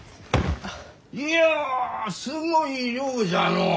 いやすごい量じゃのう！